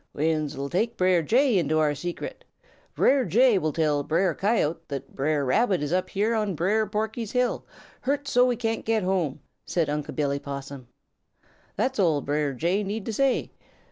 "We uns will take Brer Jay into our secret. Brer Jay will tell Brer Coyote that Brer Rabbit is up here on Brer Porky's hill, hurt so that he can't get home," said Unc' Billy Possum. "That's all Brer Jay need to say.